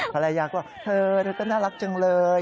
ภรรยาก็เธอเธอก็น่ารักจังเลย